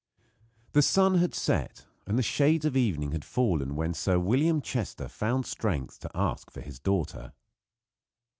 The sun had set and the shades of evening had fallen when Sir William Chester found strength to ask for his daughter.